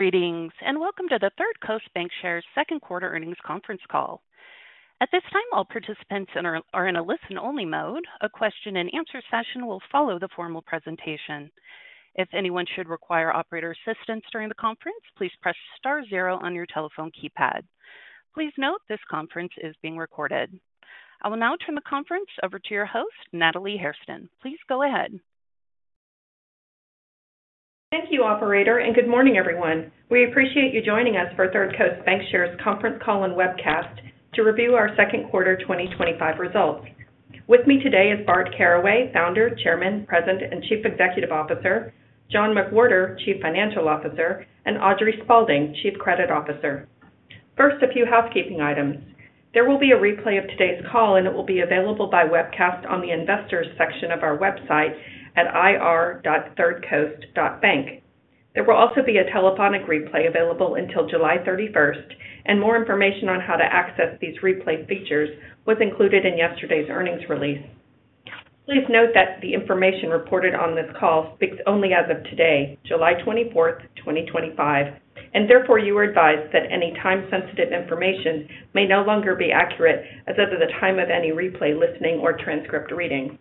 Greetings, and welcome to the Third Coast Bancshares second quarter earnings conference call. At this time, all participants are in a listen-only mode. A question and answer session will follow the formal presentation. If anyone should require operator assistance during the conference, please press *zero on your telephone keypad. Please note this conference is being recorded. I will now turn the conference over to your host, Natalie Hairston. Please go ahead. Thank you, operator, and good morning, everyone. We appreciate you joining us for a Third Coast Bancshares conference call and webcast to review our second quarter 2025 results. With me today is Bart Caraway, Founder, Chairman, President, and Chief Executive Officer; John McWhorter, Chief Financial Officer; and Audrey Spaulding, Chief Credit Officer. First, a few housekeeping items. There will be a replay of today's call, and it will be available by webcast on the investors section of our website at ir.thirdcoast.bank. There will also be a telephonic replay available until July 31st, and more information on how to access these replay features was included in yesterday's earnings release. Please note that the information reported on this call speaks only as of today, July 24th, 2025, and therefore you are advised that any time-sensitive information may no longer be accurate as of the time of any replay, listening, or transcript reading.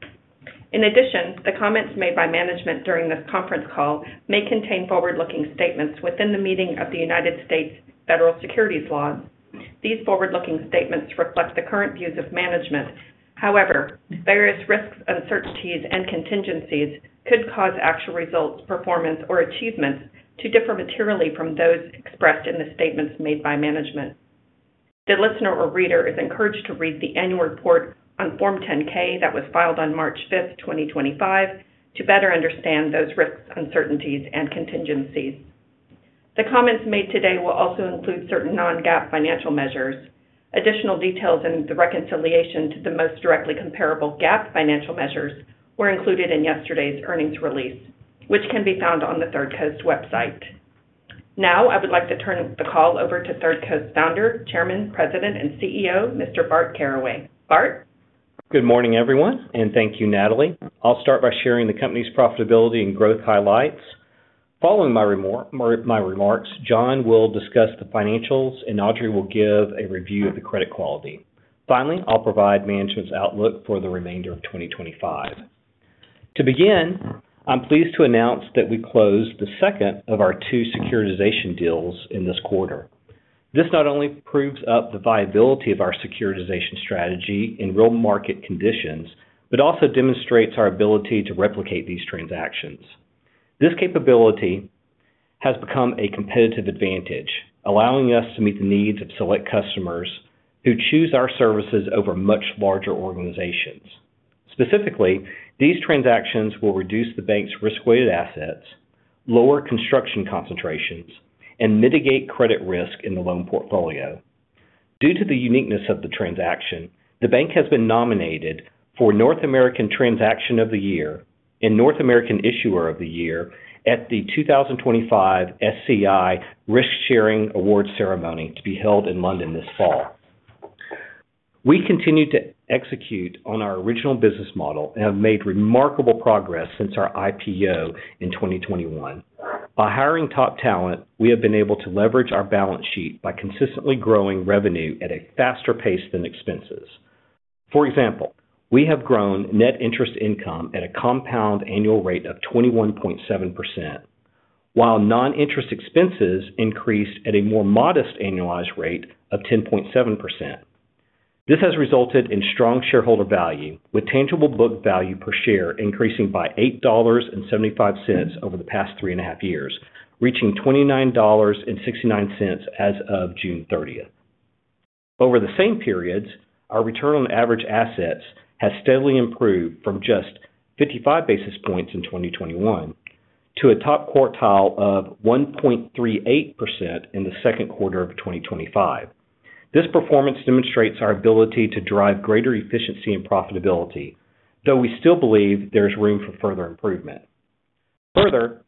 In addition, the comments made by management during this conference call may contain forward-looking statements within the meaning of the United States Federal Securities Law. These forward-looking statements reflect the current views of management. However, various risks, uncertainties, and contingencies could cause actual results, performance, or achievements to differ materially from those expressed in the statements made by management. The listener or reader is encouraged to read the annual report on Form 10-K that was filed on March 5th, 2025, to better understand those risks, uncertainties, and contingencies. The comments made today will also include certain non-GAAP financial measures. Additional details and the reconciliation to the most directly comparable GAAP financial measures were included in yesterday's earnings release, which can be found on the Third Coast website. Now, I would like to turn the call over to Third Coast Founder, Chairman, President, and CEO, Mr. Bart Caraway. Bart? Good morning, everyone, and thank you, Natalie. I'll start by sharing the company's profitability and growth highlights. Following my remarks, John will discuss the financials, and Audrey will give a review of the credit quality. Finally, I'll provide management's outlook for the remainder of 2025. To begin, I'm pleased to announce that we closed the second of our two securitization deals in this quarter. This not only proves up the viability of our securitization strategy in real market conditions, but also demonstrates our ability to replicate these transactions. This capability has become a competitive advantage, allowing us to meet the needs of select customers who choose our services over much larger organizations. Specifically, these transactions will reduce the bank's risk-weighted assets, lower construction concentrations, and mitigate credit risk in the loan portfolio. Due to the uniqueness of the transaction, the bank has been nominated for North American Transaction of the Year and North American Issuer of the Year at the 2025 SCI Risk Sharing Award Ceremony to be held in London this fall. We continue to execute on our original business model and have made remarkable progress since our IPO in 2021. By hiring top talent, we have been able to leverage our balance sheet by consistently growing revenue at a faster pace than expenses. For example, we have grown net interest income at a compound annual rate of 21.7%, while non-interest expenses increased at a more modest annualized rate of 10.7%. This has resulted in strong shareholder value, with tangible book value per share increasing by $8.75 over the past three and a half years, reaching $29.69 as of June 30th. Over the same periods, our return on average assets has steadily improved from just 55 basis points in 2021 to a top quartile of 1.38% in the second quarter of 2025. This performance demonstrates our ability to drive greater efficiency and profitability, though we still believe there is room for further improvement. Further,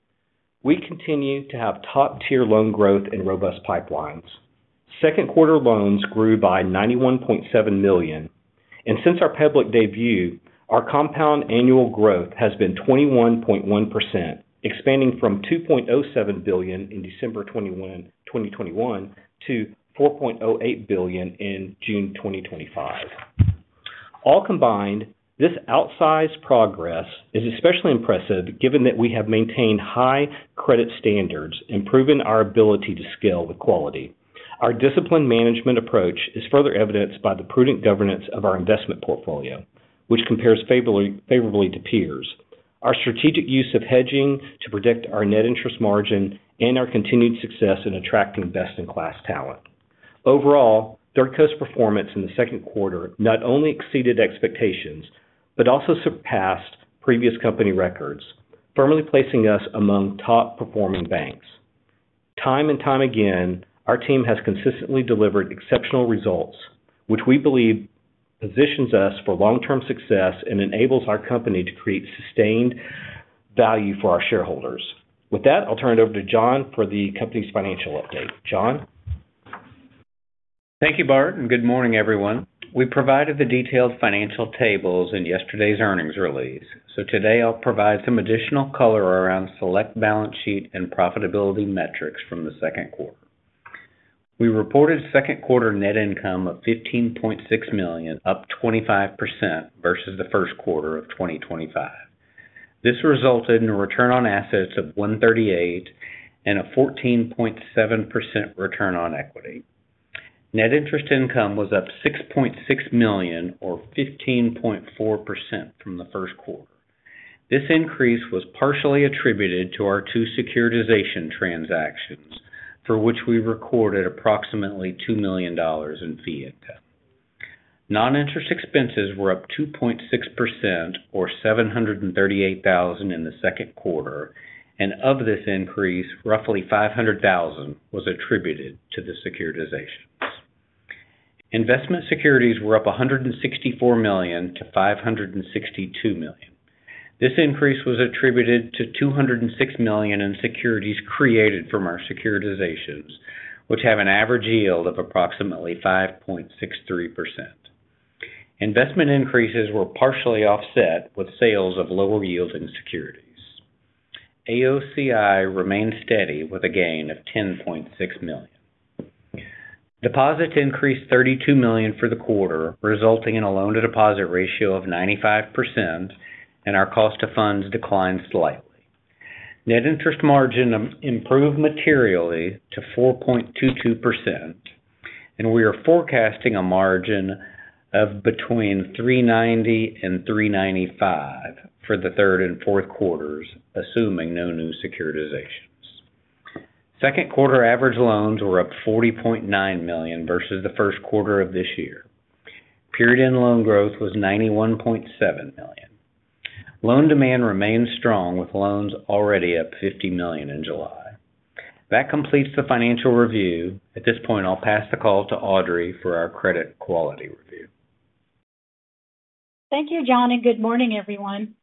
we continue to have top-tier loan growth and robust pipelines. Second quarter loans grew by $91.7 million, and since our public debut, our compound annual growth has been 21.1%, expanding from $2.07 billion in December 2021 to $4.08 billion in June 2025. All combined, this outsized progress is especially impressive given that we have maintained high credit standards and proven our ability to scale with quality. Our disciplined management approach is further evidenced by the prudent governance of our investment portfolio, which compares favorably to peers, our strategic use of hedging to predict our net interest margin, and our continued success in attracting best-in-class talent. Overall, Third Coast's performance in the second quarter not only exceeded expectations but also surpassed previous company records, firmly placing us among top-performing banks. Time and time again, our team has consistently delivered exceptional results, which we believe positions us for long-term success and enables our company to create sustained value for our shareholders. With that, I'll turn it over to John for the company's financial update. John? Thank you, Bart, and good morning, everyone. We provided the detailed financial tables in yesterday's earnings release. Today I'll provide some additional color around select balance sheet and profitability metrics from the second quarter. We reported second quarter net income of $15.6 million, up 25% versus the first quarter of 2025. This resulted in a return on assets of 138% and a 14.7% return on equity. Net interest income was up $6.6 million, or 15.4% from the first quarter. This increase was partially attributed to our two securitization transactions, for which we recorded approximately $2 million in fee income. Non-interest expenses were up 2.6%, or $738,000 in the second quarter, and of this increase, roughly $500,000 was attributed to the securitization. Investment securities were up $164 million-$562 million. This increase was attributed to $206 million in securities created from our securitizations, which have an average yield of approximately 5.63%. Investment increases were partially offset with sales of lower yielding securities. AOCI remained steady with a gain of $10.6 million. Deposits increased $32 million for the quarter, resulting in a loan-to-deposit ratio of 95%, and our cost of funds declined slightly. Net interest margin improved materially to 4.22%, and we are forecasting a margin of between 390% and 395% for the third and fourth quarters, assuming no new securitizations. Second quarter average loans were up $40.9 million versus the first quarter of this year. Period-end loan growth was $91.7 million. Loan demand remains strong with loans already up $50 million in July. That completes the financial review. At this point, I'll pass the call to Audrey for our credit quality review. Thank you, John, and good morning, everyone.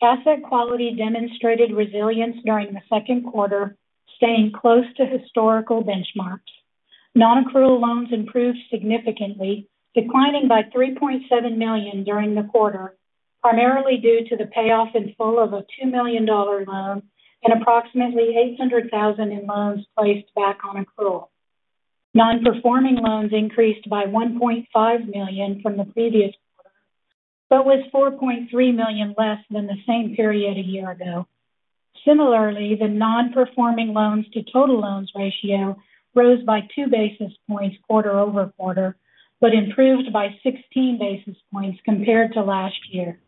Asset quality demonstrated resilience during the second quarter, staying close to historical benchmarks. Non-accrual loans improved significantly, declining by $3.7 million during the quarter, primarily due to the payoff in full of a $2 million loan and approximately $800,000 in loans placed back on accrual. Non-performing loans increased by $1.5 million from the previous quarter, but was $4.3 million less than the same period a year ago. Similarly, the non-performing loans to total loans ratio rose by two basis points quarter-over-quarter, but improved by 16 basis points compared to last year.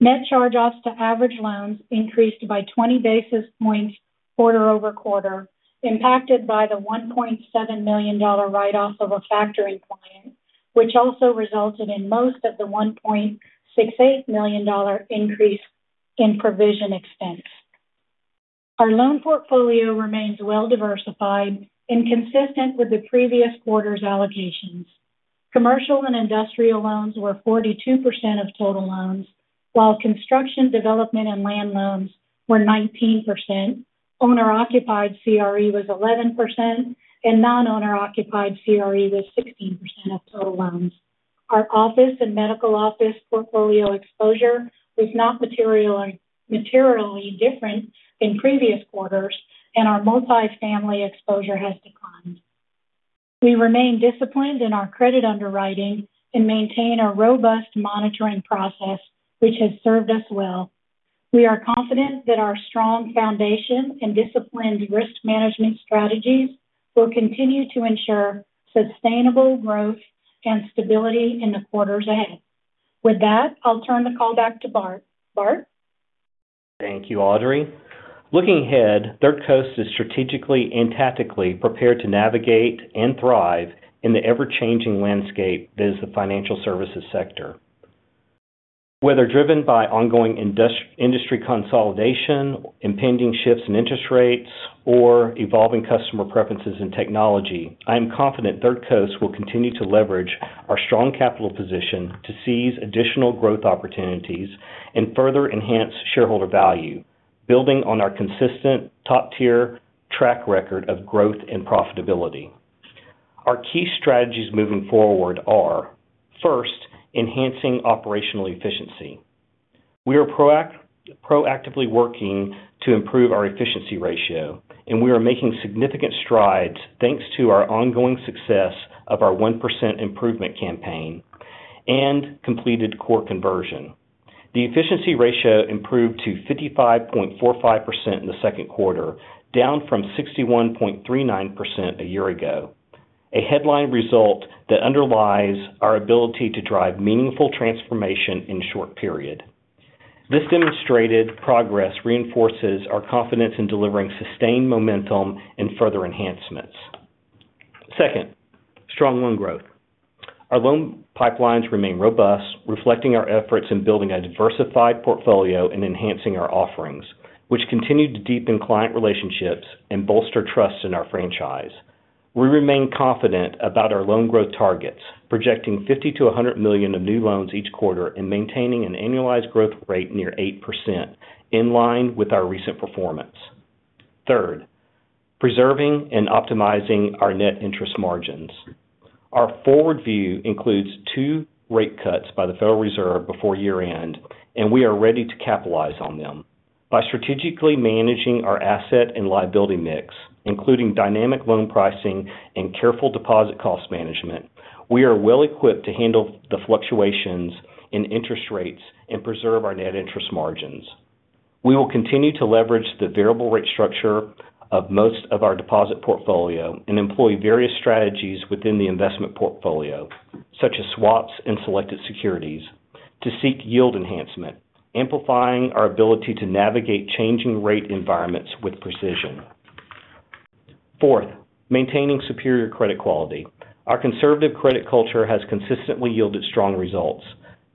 Net charge-offs to average loans increased by 20 basis points quarter-over-quarter, impacted by the $1.7 million write-off of a factoring client, which also resulted in most of the $1.68 million increase in provision expense. Our loan portfolio remains well diversified and consistent with the previous quarter's allocations. Commercial and industrial loans were 42% of total loans, while construction, development, and land loans were 19%. Owner-occupied CRE was 11%, and non-owner-occupied CRE was 15% of total loans. Our office and medical office portfolio exposure is not materially different than previous quarters, and our multifamily exposure has declined. We remain disciplined in our credit underwriting and maintain a robust monitoring process, which has served us well. We are confident that our strong foundation and disciplined risk management strategies will continue to ensure sustainable growth and stability in the quarters ahead. With that, I'll turn the call back to Bart. Bart? Thank you, Audrey. Looking ahead, Third Coast is strategically and tactically prepared to navigate and thrive in the ever-changing landscape that is the financial services sector. Whether driven by ongoing industry consolidation, impending shifts in interest rates, or evolving customer preferences in technology, I am confident Third Coast will continue to leverage our strong capital position to seize additional growth opportunities and further enhance shareholder value, building on our consistent top-tier track record of growth and profitability. Our key strategies moving forward are: first, enhancing operational efficiency. We are proactively working to improve our efficiency ratio, and we are making significant strides thanks to our ongoing success of our 1% improvement campaign and completed core conversion. The efficiency ratio improved to 55.45% in the second quarter, down from 61.39% a year ago, a headline result that underlies our ability to drive meaningful transformation in a short period. This demonstrated progress reinforces our confidence in delivering sustained momentum and further enhancements. Second, strong loan growth. Our loan pipelines remain robust, reflecting our efforts in building a diversified portfolio and enhancing our offerings, which continue to deepen client relationships and bolster trust in our franchise. We remain confident about our loan growth targets, projecting $50-$100 million in new loans each quarter and maintaining an annualized growth rate near 8%, in line with our recent performance. Third, preserving and optimizing our net interest margins. Our forward view includes two rate cuts by the Federal Reserve before year-end, and we are ready to capitalize on them. By strategically managing our asset and liability mix, including dynamic loan pricing and careful deposit cost management, we are well equipped to handle the fluctuations in interest rates and preserve our net interest margins. We will continue to leverage the variable rate structure of most of our deposit portfolio and employ various strategies within the investment portfolio, such as swaps and selected securities, to seek yield enhancement, amplifying our ability to navigate changing rate environments with precision. Fourth, maintaining superior credit quality. Our conservative credit culture has consistently yielded strong results.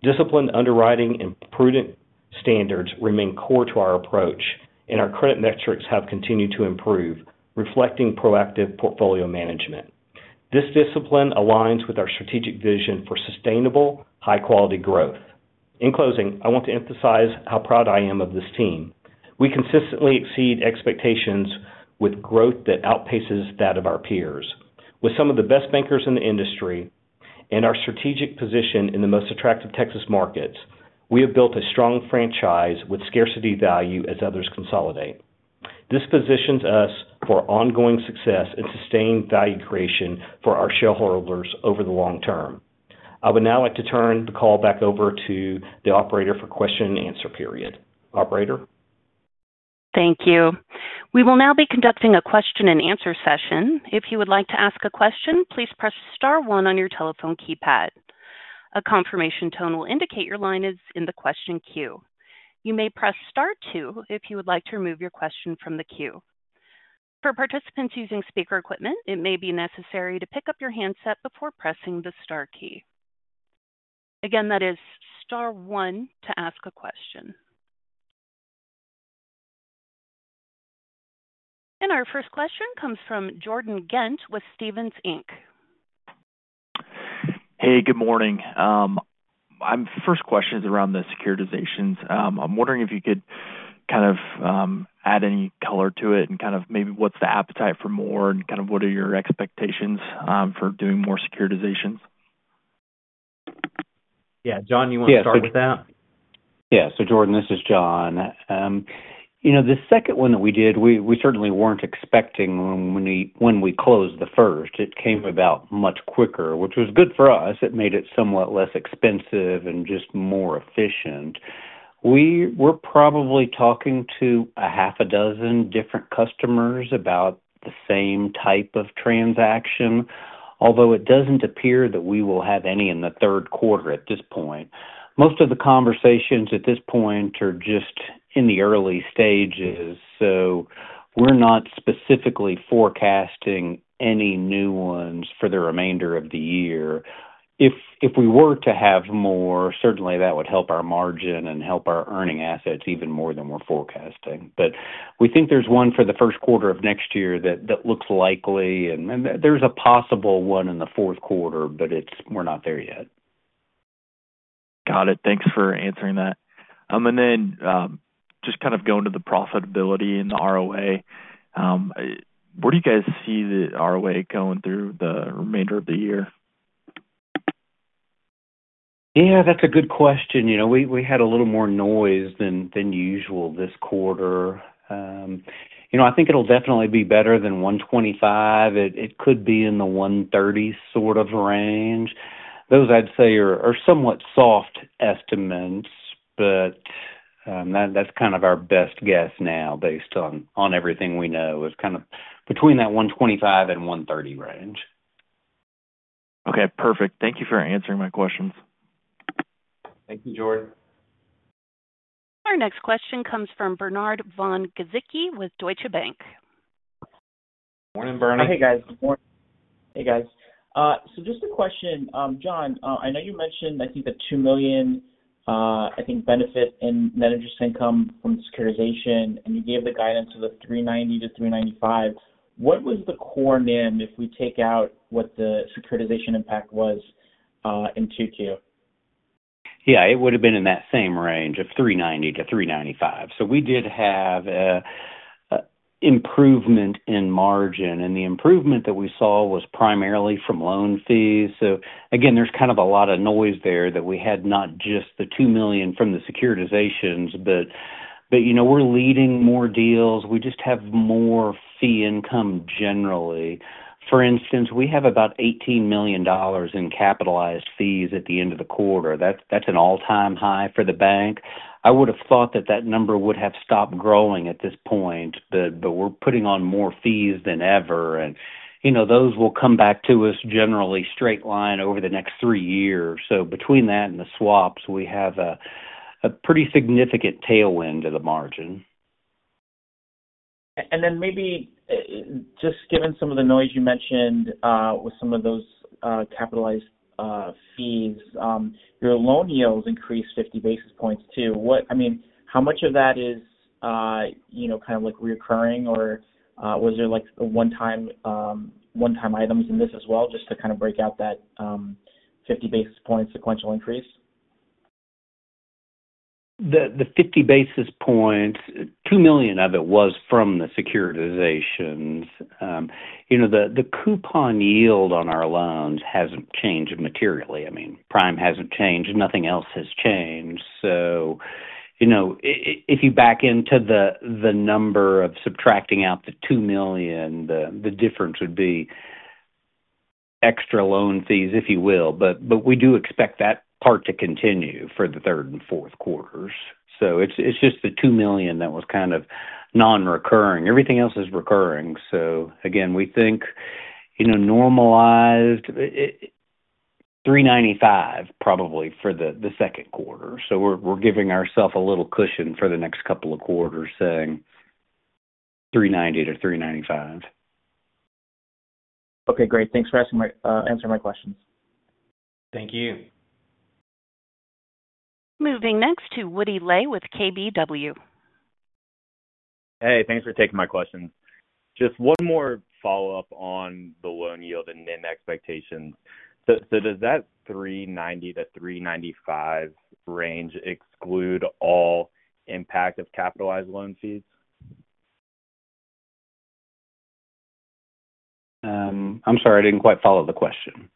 Disciplined underwriting and prudent standards remain core to our approach, and our credit metrics have continued to improve, reflecting proactive portfolio management. This discipline aligns with our strategic vision for sustainable, high-quality growth. In closing, I want to emphasize how proud I am of this team. We consistently exceed expectations with growth that outpaces that of our peers. With some of the best bankers in the industry and our strategic position in the most attractive Texas markets, we have built a strong franchise with scarcity value as others consolidate. This positions us for ongoing success and sustained value creation for our shareholders over the long term. I would now like to turn the call back over to the operator for question and answer period. Operator? Thank you. We will now be conducting a question and answer session. If you would like to ask a question, please press *one on your telephone keypad. A confirmation tone will indicate your line is in the question queue. You may press *two if you would like to remove your question from the queue. For participants using speaker equipment, it may be necessary to pick up your handset before pressing the * key. Again, that is *one to ask a question. Our first question comes from Jordan Ghent with Stephens. Hey, good morning. My first question is around the securitizations. I'm wondering if you could add any color to it and maybe what's the appetite for more and what are your expectations for doing more securitizations? Yeah, John, you want to start with that? Yeah, so Jordan, this is John. The second one that we did, we certainly weren't expecting when we closed the first. It came about much quicker, which was good for us. It made it somewhat less expensive and just more efficient. We were probably talking to a half a dozen different customers about the same type of transaction, although it doesn't appear that we will have any in the third quarter at this point. Most of the conversations at this point are just in the early stages, so we're not specifically forecasting any new ones for the remainder of the year. If we were to have more, certainly that would help our margin and help our earning assets even more than we're forecasting. We think there's one for the first quarter of next year that looks likely, and there's a possible one in the fourth quarter, but we're not there yet. Got it. Thanks for answering that. Just kind of going to the profitability and the ROA, where do you guys see the ROA going through the remainder of the year? Yeah, that's a good question. We had a little more noise than usual this quarter. I think it'll definitely be better than 125. It could be in the 130 sort of range. Those, I'd say, are somewhat soft estimates, but that's kind of our best guess now based on everything we know is kind of between that 125 and 130 range. Okay, perfect. Thank you for answering my questions. Thank you, Jordan. Our next question comes from Bernard Von-Gizycki with Deutsche Bank. Morning, Bernard. Hey, guys. Good morning. Just a question, John, I know you mentioned, I think, the $2 million benefit in net interest income from securitization, and you gave the guidance of the 3.90%-3.95%. What was the core NIM if we take out what the securitization impact was in 2Q? It would have been in that same range of 3.90% -3.95%. We did have an improvement in margin, and the improvement that we saw was primarily from loan fees. There is kind of a lot of noise there that we had, not just the $2 million from the securitizations, but we're leading more deals. We just have more fee income generally. For instance, we have about $18 million in capitalized fees at the end of the quarter. That's an all-time high for the bank. I would have thought that that number would have stopped growing at this point, but we're putting on more fees than ever. Those will come back to us generally straight line over the next three years. Between that and the swaps, we have a pretty significant tailwind to the margin. Maybe just given some of the noise you mentioned with some of those capitalized fees, your loan yields increased 50 basis points too. How much of that is, you know, kind of like recurring, or was there like one-time items in this as well just to kind of break out that 50 basis points sequential increase? The 50 basis points, $2 million of it was from the securitizations. The coupon yield on our loans hasn't changed materially. I mean, prime hasn't changed. Nothing else has changed. If you back into the number, subtracting out the $2 million, the difference would be extra loan fees, if you will. We do expect that part to continue for the third and fourth quarters. It is just the $2 million that was kind of non-recurring. Everything else is recurring. We think normalized 3.95% probably for the second quarter. We are giving ourselves a little cushion for the next couple of quarters, saying 3.90% -3.95%. Okay, great. Thanks for answering my questions. Thank you. Moving next to Woody Lay with KBW. Hey, thanks for taking my question. Just one more follow-up on the loan yield and NIM expectations. Does that 390 to 395 range exclude all impact of capitalized loan fees? I'm sorry, I didn't quite follow the question.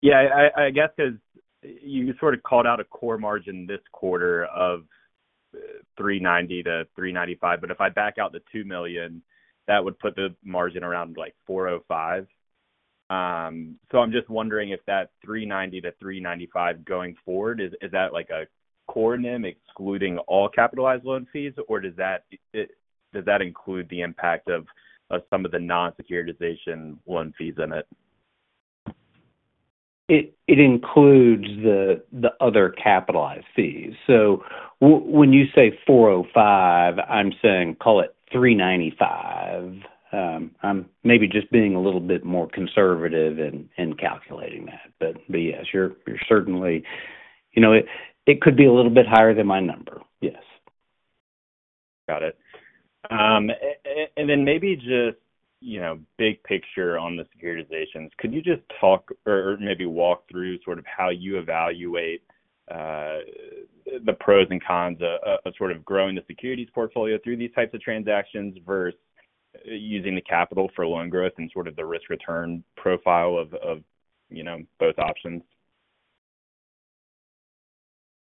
Yeah, I guess because you sort of called out a core margin this quarter of 390%-395%. If I back out the $2 million, that would put the margin around like 405%. I'm just wondering if that 390% to 395% going forward, is that like a core NIM excluding all capitalized loan fees, or does that include the impact of some of the non-securitization loan fees in it? It includes the other capitalized fees. When you say 405, I'm saying call it 395. I'm maybe just being a little bit more conservative in calculating that. Yes, you're certainly, you know, it could be a little bit higher than my number. Yes. Got it. Maybe just, you know, big picture on the securitizations, could you just talk or maybe walk through sort of how you evaluate the pros and cons of sort of growing the securities portfolio through these types of transactions versus using the capital for loan growth and sort of the risk return profile of, you know, both options?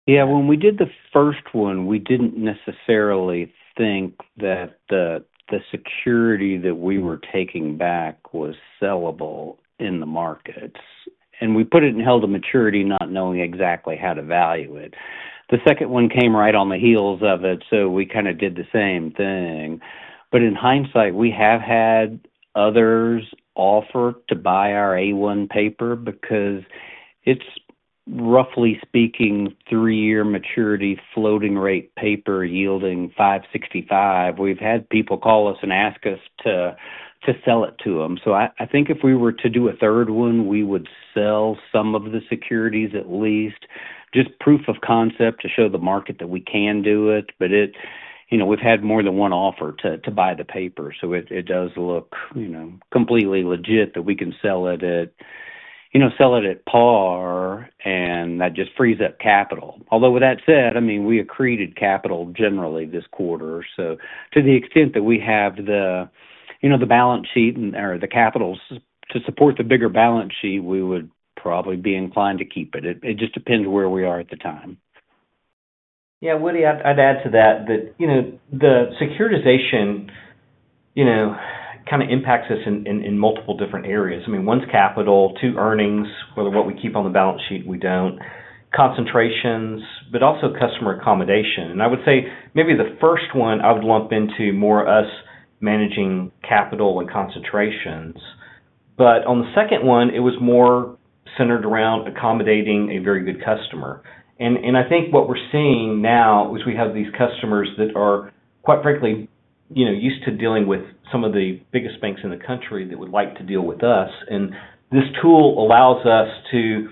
Yeah, when we did the first one, we didn't necessarily think that the security that we were taking back was sellable in the markets. We put it in held to maturity, not knowing exactly how to value it. The second one came right on the heels of it, so we kind of did the same thing. In hindsight, we have had others offer to buy our A1 paper because it's, roughly speaking, three-year maturity floating rate paper yielding 565%. We've had people call us and ask us to sell it to them. I think if we were to do a third one, we would sell some of the securities at least, just proof of concept to show the market that we can do it. We've had more than one offer to buy the paper. It does look completely legit that we can sell it at par, and that just frees up capital. Although with that said, I mean, we accreted capital generally this quarter. To the extent that we have the balance sheet or the capital to support the bigger balance sheet, we would probably be inclined to keep it. It just depends where we are at the time. Yeah, Woody, I'd add to that that the securitization kind of impacts us in multiple different areas. I mean, one's capital, two earnings, whether what we keep on the balance sheet, we don't, concentrations, but also customer accommodation. I would say maybe the first one I would lump into more us managing capital and concentrations. On the second one, it was more centered around accommodating a very good customer. I think what we're seeing now is we have these customers that are, quite frankly, used to dealing with some of the biggest banks in the country that would like to deal with us. This tool allows us to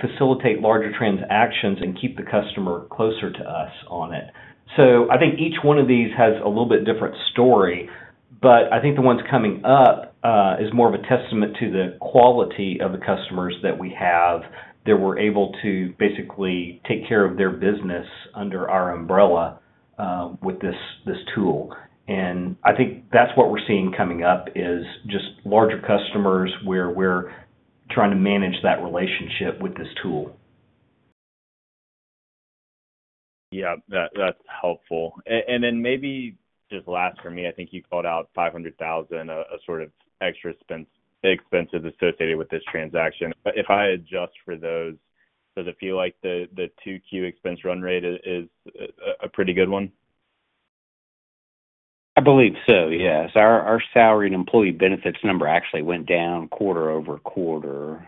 facilitate larger transactions and keep the customer closer to us on it. I think each one of these has a little bit different story, but I think the ones coming up is more of a testament to the quality of the customers that we have, that we're able to basically take care of their business under our umbrella with this tool. I think that's what we're seeing coming up is just larger customers where we're trying to manage that relationship with this tool. Yeah, that's helpful. Maybe just last for me, I think you called out $500,000 of sort of extra expenses associated with this transaction. If I adjust for those, does it feel like the 2Q expense run rate is a pretty good one? I believe so, yes. Our salary and employee benefits number actually went down quarter-over-quarter.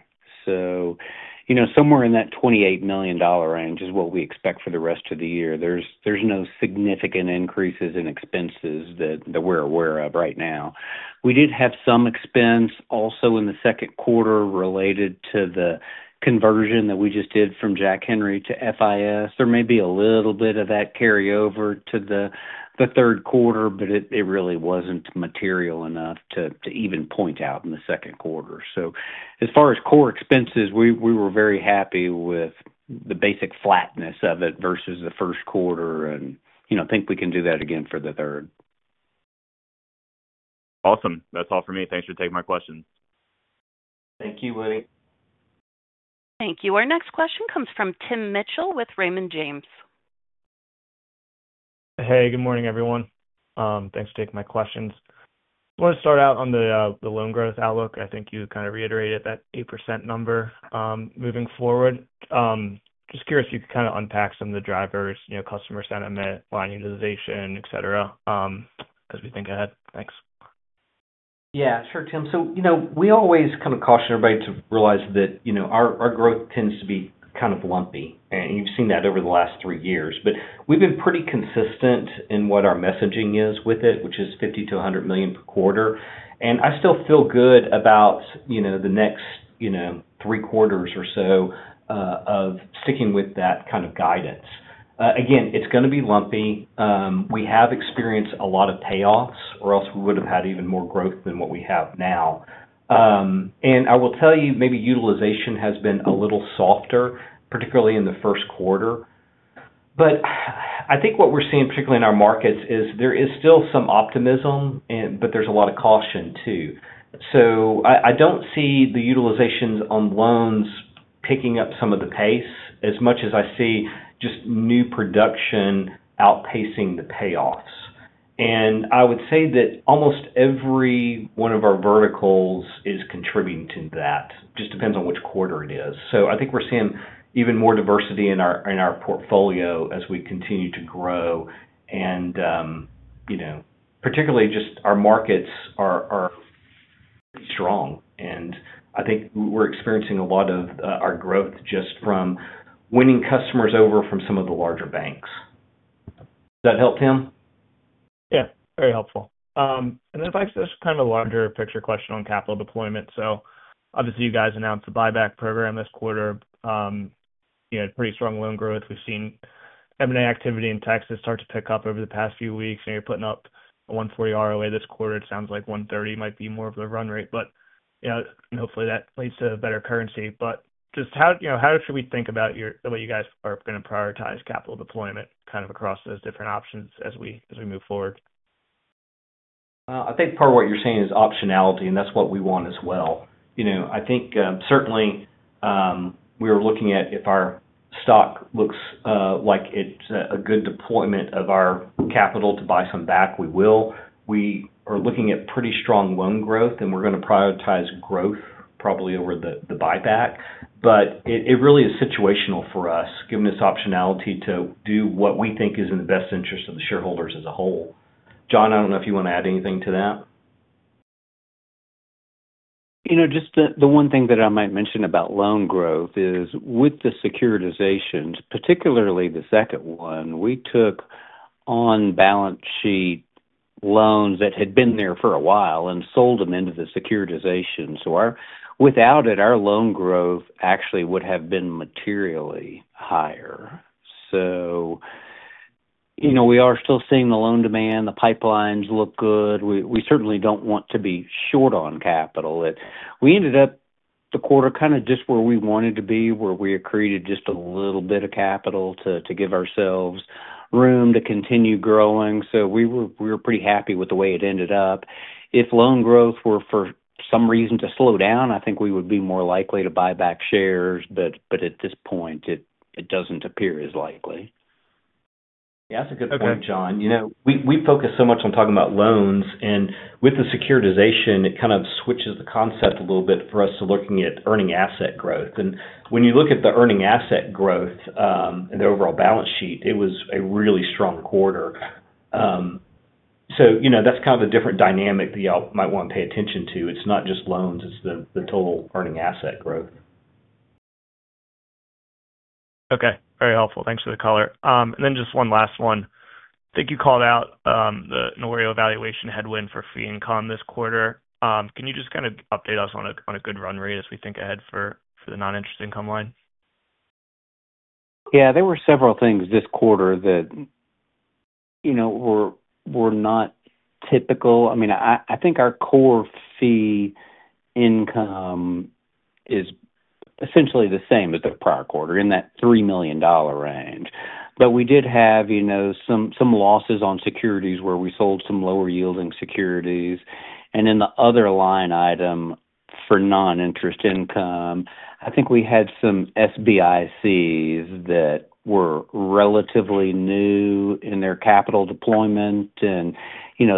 Somewhere in that $28 million range is what we expect for the rest of the year. There's no significant increases in expenses that we're aware of right now. We did have some expense also in the second quarter related to the conversion that we just did from Jack Henry to FIS. There may be a little bit of that carryover to the third quarter, but it really wasn't material enough to even point out in the second quarter. As far as core expenses, we were very happy with the basic flatness of it versus the first quarter. I think we can do that again for the third. Awesome. That's all for me. Thanks for taking my questions. Thank you, Woody. Thank you. Our next question comes from Tim Mitchell with Raymond James. Hey, good morning, everyone. Thanks for taking my questions. I want to start out on the loan growth outlook. I think you kind of reiterated that 8% number moving forward. Just curious if you could kind of unpack some of the drivers, you know, customer sentiment, line utilization, etc., as we think ahead. Thanks. Yeah, sure, Tim. We always kind of caution everybody to realize that our growth tends to be kind of lumpy, and you've seen that over the last three years. We've been pretty consistent in what our messaging is with it, which is $50-$100 million per quarter. I still feel good about the next three quarters or so of sticking with that kind of guidance. Again, it's going to be lumpy. We have experienced a lot of payoffs, or else we would have had even more growth than what we have now. I will tell you, maybe utilization has been a little softer, particularly in the first quarter. I think what we're seeing, particularly in our markets, is there is still some optimism, but there's a lot of caution too. I don't see the utilizations on loans picking up some of the pace as much as I see just new production outpacing the payoffs. I would say that almost every one of our verticals is contributing to that. It just depends on which quarter it is. I think we're seeing even more diversity in our portfolio as we continue to grow. Particularly, our markets are strong, and I think we're experiencing a lot of our growth just from winning customers over from some of the larger banks. Does that help, Tim? Yeah, very helpful. If I have just kind of a larger picture question on capital deployment. Obviously, you guys announced the buyback program this quarter. Pretty strong loan growth. We've seen M&A activity in Texas start to pick up over the past few weeks. You're putting up a 140% ROAA this quarter. It sounds like 130% might be more of the run rate. Hopefully that leads to a better currency. How should we think about the way you guys are going to prioritize capital deployment across those different options as we move forward? I think part of what you're saying is optionality, and that's what we want as well. I think certainly we are looking at if our stock looks like it's a good deployment of our capital to buy some back, we will. We are looking at pretty strong loan growth, and we're going to prioritize growth probably over the buyback. It really is situational for us, given this optionality to do what we think is in the best interest of the shareholders as a whole. John, I don't know if you want to add anything to that. Just the one thing that I might mention about loan growth is with the securitizations, particularly the second one, we took on balance sheet loans that had been there for a while and sold them into the securitization. Without it, our loan growth actually would have been materially higher. We are still seeing the loan demand. The pipelines look good. We certainly don't want to be short on capital. We ended up the quarter kind of just where we wanted to be, where we accrued just a little bit of capital to give ourselves room to continue growing. We were pretty happy with the way it ended up. If loan growth were for some reason to slow down, I think we would be more likely to buy back shares. At this point, it doesn't appear as likely. Yeah, that's a good point, John. We focus so much on talking about loans, and with the securitization, it kind of switches the concept a little bit for us to looking at earning asset growth. When you look at the earning asset growth and the overall balance sheet, it was a really strong quarter. That's kind of a different dynamic that y'all might want to pay attention to. It's not just loans. It's the total earning asset growth. Okay, very helpful. Thanks for the color. Just one last one. I think you called out the notorious valuation headwind for fee income this quarter. Can you just kind of update us on a good run rate as we think ahead for the non-interest income line? Yeah, there were several things this quarter that were not typical. I mean, I think our core fee income is essentially the same as the prior quarter in that $3 million range. We did have some losses on securities where we sold some lower yielding securities. The other line item for non-interest income, I think we had some SBICs that were relatively new in their capital deployment.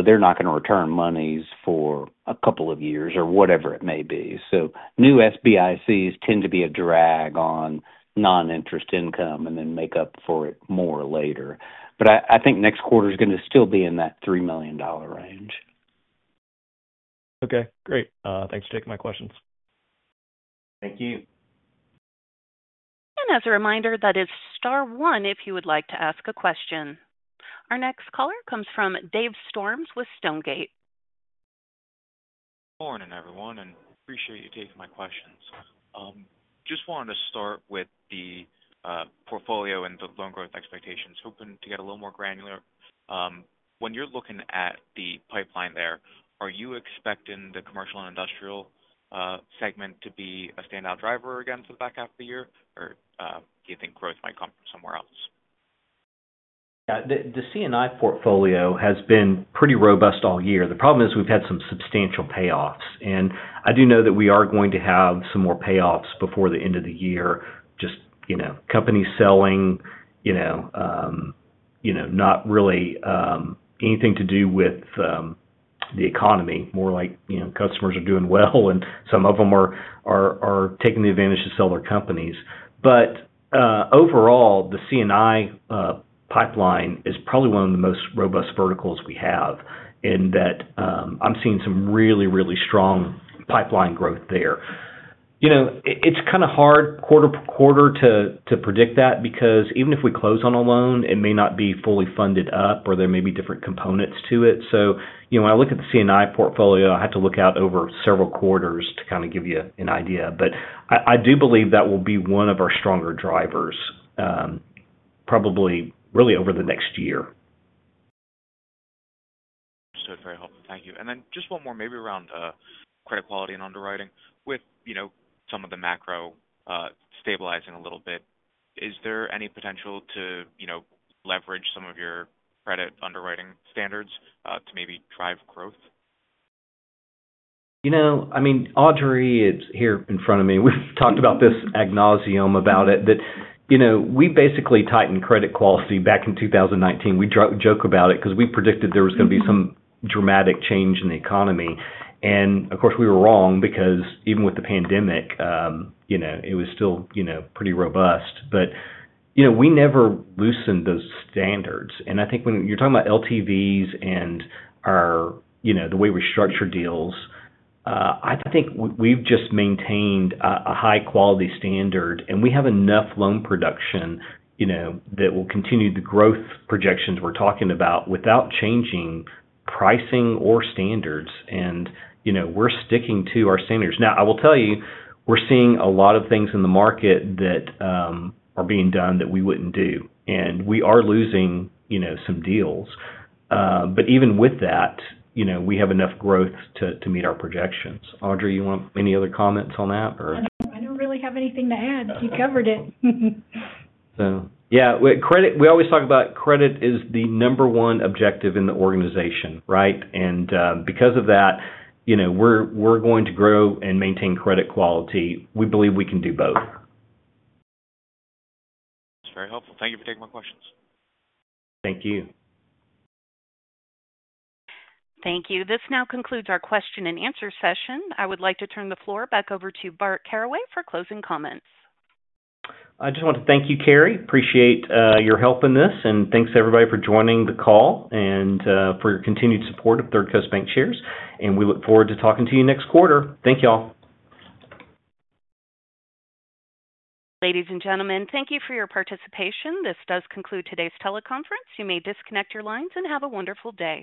They're not going to return monies for a couple of years or whatever it may be. New SBICs tend to be a drag on non-interest income and then make up for it more later. I think next quarter is going to still be in that $3 million range. Okay, great. Thanks for taking my questions. Thank you. As a reminder, that is *1 if you would like to ask a question. Our next caller comes from Dave Storms with Stonegate. Morning, everyone, and appreciate you taking my questions. I just wanted to start with the portfolio and the loan growth expectations, hoping to get a little more granular. When you're looking at the pipeline there, are you expecting the commercial and industrial segment to be a standout driver again for the back half of the year, or do you think growth might come from somewhere else? The C&I portfolio has been pretty robust all year. The problem is we've had some substantial payoffs. I do know that we are going to have some more payoffs before the end of the year, just, you know, companies selling, not really anything to do with the economy, more like customers are doing well, and some of them are taking the advantage to sell their companies. Overall, the C&I pipeline is probably one of the most robust verticals we have, and I'm seeing some really, really strong pipeline growth there. It's kind of hard quarter per quarter to predict that because even if we close on a loan, it may not be fully funded up, or there may be different components to it. When I look at the C&I portfolio, I have to look out over several quarters to kind of give you an idea. I do believe that will be one of our stronger drivers, probably really over the next year. Thank you. Just one more, maybe around credit quality and underwriting. With some of the macro stabilizing a little bit, is there any potential to leverage some of your credit underwriting standards to maybe drive growth? You know, Audrey, it's here in front of me. We've talked about this ad nauseam, that we basically tightened credit quality back in 2019. We joke about it because we predicted there was going to be some dramatic change in the economy. Of course, we were wrong because even with the pandemic, it was still pretty robust. We never loosened those standards. I think when you're talking about LTVs and the way we structure deals, I think we've just maintained a high-quality standard, and we have enough loan production that will continue the growth projections we're talking about without changing pricing or standards. We're sticking to our standards. I will tell you, we're seeing a lot of things in the market that are being done that we wouldn't do. We are losing some deals. Even with that, we have enough growth to meet our projections. Audrey, you want any other comments on that? I don't really have anything to add. You covered it. Yeah, with credit, we always talk about credit is the number one objective in the organization, right? Because of that, you know, we're going to grow and maintain credit quality. We believe we can do both. That's very helpful. Thank you for taking my questions. Thank you. Thank you. This now concludes our question and answer session. I would like to turn the floor back over to Bart Caraway for closing comments. I just want to thank you, Carrie. Appreciate your help in this. Thank you to everybody for joining the call and for your continued support of Third Coast Bancshares. We look forward to talking to you next quarter. Thank you all. Ladies and gentlemen, thank you for your participation. This does conclude today's teleconference. You may disconnect your lines and have a wonderful day.